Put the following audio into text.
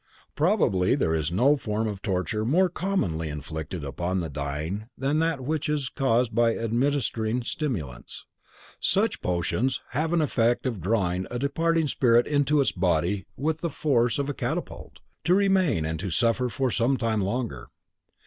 Probably there is no form of torture more commonly inflicted upon the dying than that which is caused by administering stimulants. Such potions have the effect of drawing a departing spirit into its body with the force of a catapult, to remain and to suffer for sometime longer.